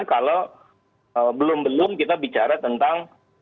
kalau belum belum kita bicara tentang